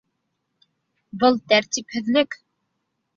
Был тәртипһеҙлек!